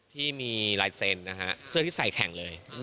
ที่มีลายเซ็นต์นะฮะเสื้อที่ใส่แข่งเลย